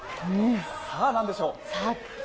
さぁ、何でしょう？